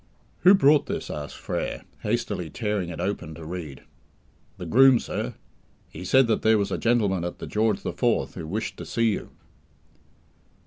"Who brought this?" asked Frere, hastily tearing it open to read. "The groom, sir. He said that there was a gentleman at the 'George the Fourth' who wished to see you."